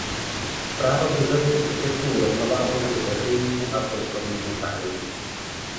Zpráva požaduje skutečnou rovnováhu mezi veřejnými a soukromými zájmy.